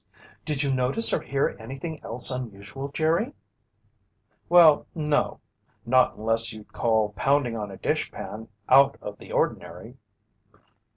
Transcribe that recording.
"Did you notice or hear anything else unusual, Jerry?" "Well, no. Not unless you'd call pounding on a dishpan out of the ordinary."